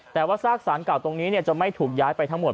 แต่ว่าซากสารเก่าตรงนี้จะไม่ถูกย้ายไปทั้งหมด